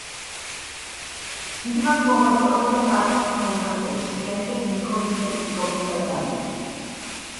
დიდხანს მოღვაწეობდა კაცხის მონასტერში, შემდეგ ნიქოზის ეპისკოპოსად დანიშნეს.